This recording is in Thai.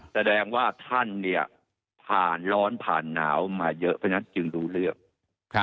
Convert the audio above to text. แสดงว่าท่านเนี่ยผ่านร้อนผ่านหนาวมาเยอะเพราะฉะนั้นจึงรู้เรื่องครับ